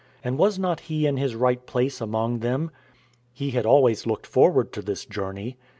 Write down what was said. And was not he in his right place among them? He had always looked forward to this journey.